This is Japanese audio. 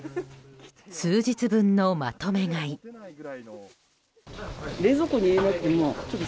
数日分のまとめ買い。